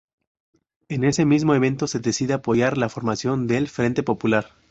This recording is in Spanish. En ese mismo evento se decide apoyar la formación del Frente Popular.